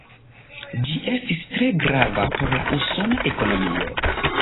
Ĝi estis tre grava por la usona ekonomio.